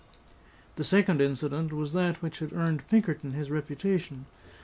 The second incident was that which had earned Pinkerton his reputation.